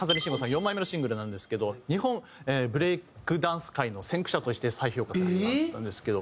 ４枚目のシングルなんですけど日本ブレイクダンス界の先駆者として再評価されたんですけど。